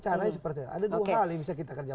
ada dua hal yang bisa kita kerja